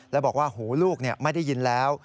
แล้วบอกว่าหูลูกไม่ได้ยินแล้ว